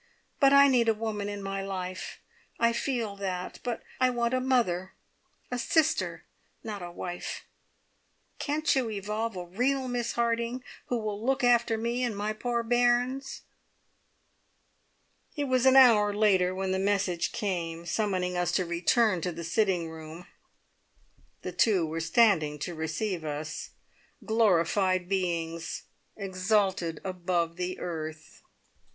But I need a woman in my life. I feel that but I want a mother, a sister, not a wife. Can't you evolve a real Miss Harding, who will look after me and my poor bairns?" It was an hour later when the message came summoning us to return to the sitting room. The two were standing to receive us glorified beings, exalted above the earth.